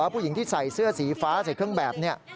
ผู้หญิงที่ใส่เสื้อสีฟ้าใส่เครื่องแบบนี้